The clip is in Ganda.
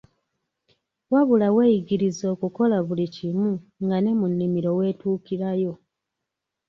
Wabula weeyigirize okukola buli kimu, nga ne mu nnimiro weetuukirayo.